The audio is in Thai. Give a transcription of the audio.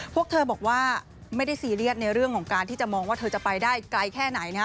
พวกเธอบอกว่าไม่ได้ซีเรียสในเรื่องของการที่จะมองว่าเธอจะไปได้ไกลแค่ไหนนะ